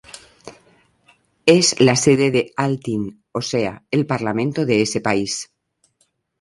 Es la sede del Althing, o sea el Parlamento de ese país.